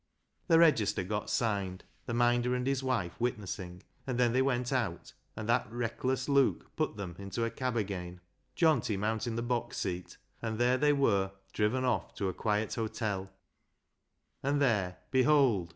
The register got signed, the Minder and his v>'ife witnessing, and then they went out, and that reckless Luke put them into a cab again, Johnty mounting the box seat, and they were driven off to a quiet hotel, and there, behold